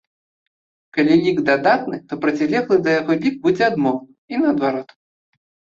Калі лік дадатны, то процілеглы да яго лік будзе адмоўным, і наадварот.